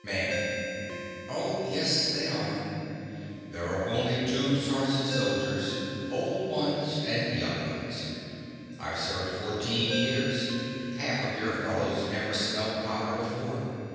_) MAN. Oh, yes, they are. There are only two sorts of soldiers: old ones and young ones. I've served fourteen years: half of your fellows never smelt powder before.